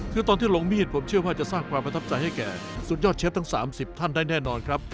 คือตอนที่ลงมีดผมเชื่อว่าจะสร้างความประทับใจให้แก่สุดยอดเชฟทั้ง๓๐ท่านได้แน่นอนครับ